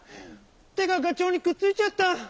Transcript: てががちょうにくっついちゃった！